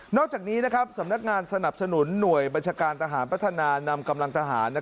อกจากนี้สำนักงานสนับสนุนหน่วยบัญชาการทหารพัฒนานำกำลังทหาร